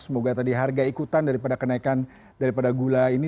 semoga tadi harga ikutan daripada kenaikan daripada gula ini